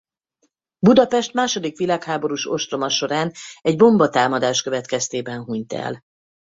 Budapest második világháborús ostroma során egy bombatámadás következtében hunyt el.